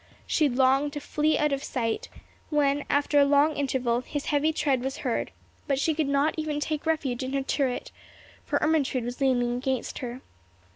She longed to flee out of sight, when, after a long interval, his heavy tread was heard; but she could not even take refuge in her turret, for Ermentrude was leaning against her.